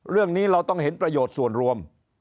เรื่องนี้เราต้องเห็นประโยชน์ส่วนรวม